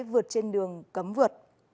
vượt trên đường cấm vượt